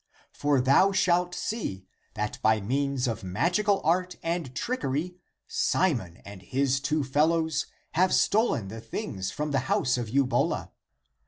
For (thou shalt see) that by means of magical art and trickery Simon and his two fellows have stolen the things from the house 84 THE APOCRYPHAL ACTS of Eubola.